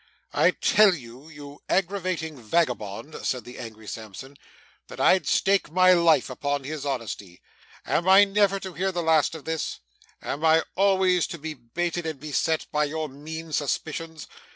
'I tell you, you aggravating vagabond,' said the angry Sampson, 'that I'd stake my life upon his honesty. Am I never to hear the last of this? Am I always to be baited, and beset, by your mean suspicions?